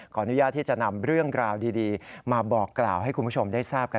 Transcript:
ขออนุญาตที่จะนำเรื่องราวดีมาบอกกล่าวให้คุณผู้ชมได้ทราบกัน